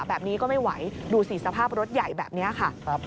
แบบนี้ก็ไม่ไหวดูสิสภาพรถใหญ่แบบนี้ค่ะ